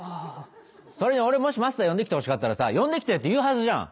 それに俺もしマスター呼んできてほしかったら呼んできてって言うはずじゃん。